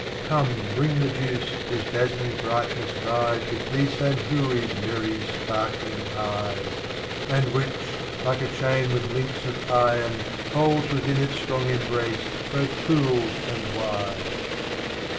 XXXII. Come bring the Juice whose dazzling Brightness vies With these same Houris' merry sparkling eyes. And which, like a Chain with Links of Iron, holds Within its strong embrace, both Fools and Wise.